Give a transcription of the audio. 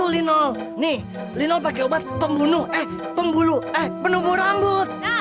lino nih lino pakai obat pembunuh eh pembuluh eh pembubur rambut